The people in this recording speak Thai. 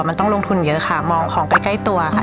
มันต้องลงทุนเยอะค่ะมองของใกล้ตัวค่ะ